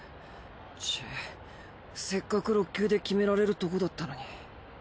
チェッせっかく６球で決められるとこだったのに。